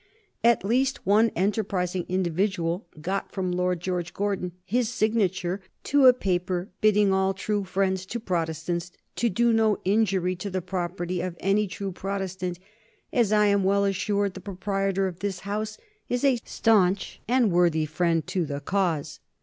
At least one enterprising individual got from Lord George Gordon his signature to a paper bidding all true friends to Protestants to do no injury to the property of any true Protestant, "as I am well assured the proprietor of this house is a stanch and worthy friend to the cause."